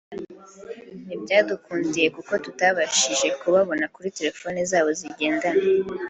ntibyadukundira kuko tutabashije kubabona kuri telefone zabo zigendanwa